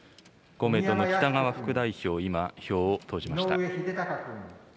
公明党の北側副代表、今、票を投じました。